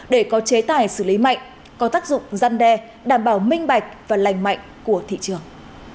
để có chế tài xử lý mạnh có tác dụng gian đe đảm bảo minh bạch và lành mạnh của thị trường